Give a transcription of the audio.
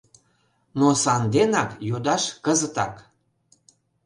Но санденак йодаш кызытак